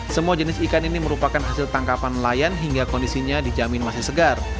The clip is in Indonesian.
semua jenis ikan ini merupakan hasil tangkapan nelayan hingga kondisinya dijamin masih segar